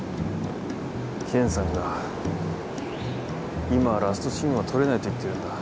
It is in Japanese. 健さんが今ラストシーンは撮れないと言ってるんだ。